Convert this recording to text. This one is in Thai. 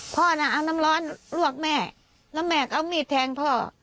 น่ะเอาน้ำร้อนลวกแม่แล้วแม่ก็เอามีดแทงพ่อ